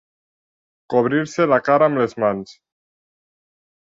Cobrir-se la cara amb les mans.